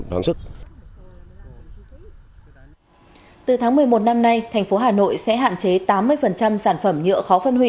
một hạn chế tám mươi sản phẩm nhựa khó phân hủy